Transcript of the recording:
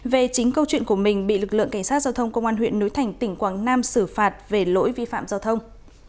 về chính câu chuyện của mình bị lực lượng cảnh sát giao thông công an huyện núi thành tỉnh quảng nam xử phạt về lỗi vi phạm giao thông